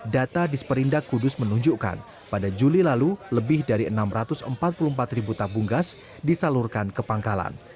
data disperindak kudus menunjukkan pada juli lalu lebih dari enam ratus empat puluh empat ribu tabung gas disalurkan ke pangkalan